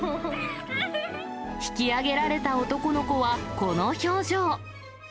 引き上げられた男の子は、この表情。